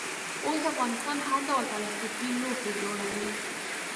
اوس افغانستان هر ډول پلاستیکي لوښي جوړوي.